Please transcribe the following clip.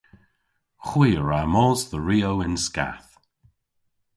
Hwi a wra mos dhe Rio yn skath.